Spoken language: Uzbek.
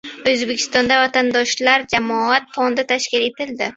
O‘zbekistonda «Vatandoshlar» jamoat fondi tashkil etildi